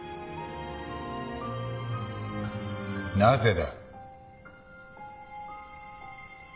なぜだ？